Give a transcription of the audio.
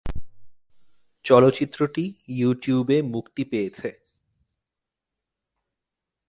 চলচ্চিত্রটি ইউটিউবে মুক্তি পেয়েছে।